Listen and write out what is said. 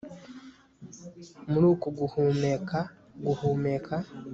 Muri uku guhumeka guhumeka